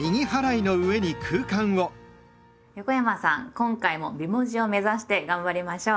今回も美文字を目指して頑張りましょう。